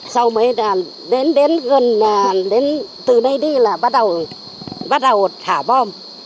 sau mới đến gần từ đây đi là bắt đầu thả bom